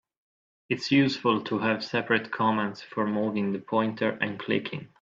It's useful to have separate commands for moving the pointer and clicking.